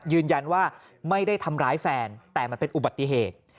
ยืนยันว่าไม่ได้ทำร้ายแฟนแต่มันเป็นอุบัติเหตุ